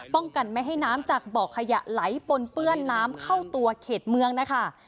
ป้องกันไม่ให้น้ำจากบ่อขยะไหลปนเปื้อนน้ำเข้าตัวเขตเมืองนะคะ